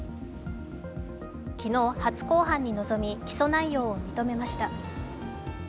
昨日、初公判に臨み、起訴内容を認めました。